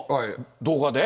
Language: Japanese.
動画で？